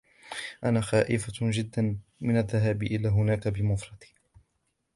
أنا خائفه جداً من الذهاب إلى هناك بمفردي.